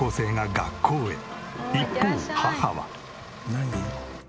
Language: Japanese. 一方母は。